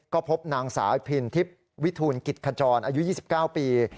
ก็พบนางสาวพินทิพย์วิทูลกิจขจรอายุ๒๙ปี